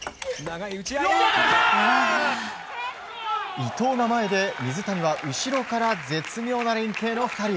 伊藤が前で水谷は後ろから絶妙な連係の２人。